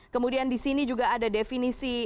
kemudian disini juga ada definisi